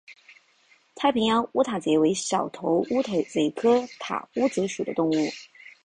太平洋塔乌贼为小头乌贼科塔乌贼属的动物。